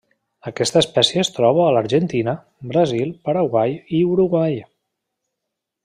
Aquesta espècie es troba a l'Argentina, Brasil, Paraguai i Uruguai.